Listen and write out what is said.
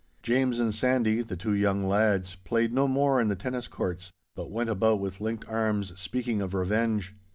James and Sandy, the two young lads, played no more in the tennis courts, but went about with linked arms speaking of revenge.